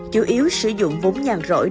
chủ yếu sử dụng vốn nhàn rỗi